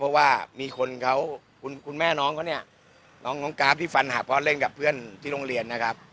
เพราะว่ามีคนเกี่ยวคุณแม่น้องเค้าเนี่ยน้องกราฟที่ฟันหหะพอเล่นกับเพื่อนที่โรงเรียน